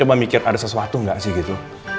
coba mikir ada sesuatu nggak sih gitu